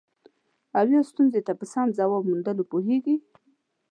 او یا ستونزې ته په سم ځواب موندلو پوهیږي.